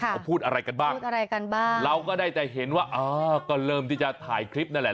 เขาพูดอะไรกันบ้างเราก็ได้แต่เห็นว่าก่อนเริ่มที่จะถ่ายคลิปนั่นแหละ